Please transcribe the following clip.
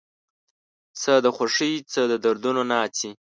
څه د خوښۍ څه د دردونو ناڅي